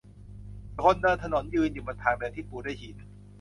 คนเดินถนนยืนอยู่บนทางเดินที่ปูด้วยหิน